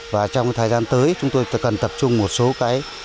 và trong thời gian tới chúng tôi cần tập trung một số cái